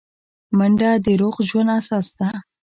منډه د روغ ژوند اساس ده